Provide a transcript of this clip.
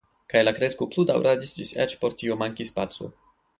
Kaj la kresko plu daŭradis ĝis eĉ por tio mankis spaco.